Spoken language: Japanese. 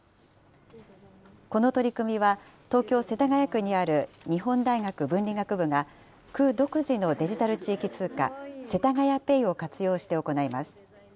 この取り組みは、東京・世田谷区にある日本大学文理学部が、区独自のデジタル地域通貨、せたがやＰａｙを活用して行います。